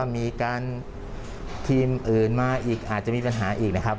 มีการทีมอื่นมาอีกอาจจะมีปัญหาอีกนะครับ